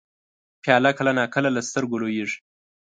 پیاله کله نا کله له سترګو لوېږي.